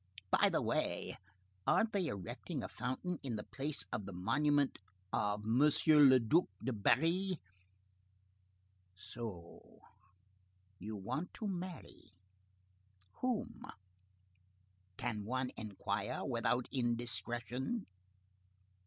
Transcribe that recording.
By the way, aren't they erecting a fountain in the place of the monument of M. le Duc de Berry? So you want to marry? Whom? Can one inquire without indiscretion?"